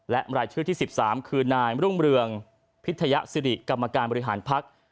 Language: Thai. และรายชื่อที่๑๓คือนายรุ่งเรืองพิทยสิริกรรมการบริหารพัก